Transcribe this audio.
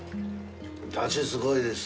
出汁すごいです。